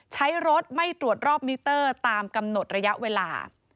ใช้รถไม่ตรวจรอบมิเตอร์ตามกำหนดระยะเวลา